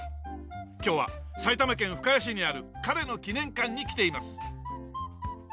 今日は埼玉県深谷市にある彼の記念館に来ています。